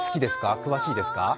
詳しいですか？